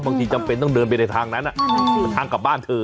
จำเป็นต้องเดินไปในทางนั้นเป็นทางกลับบ้านเธอ